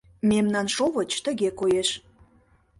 Мемнан шовыч тыге коеш.